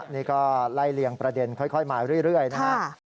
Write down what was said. นี่ก็ไล่เลี่ยงประเด็นค่อยมาเรื่อยนะครับ